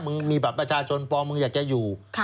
มีบัตรประชาชนปลอมมึงอยากจะอยู่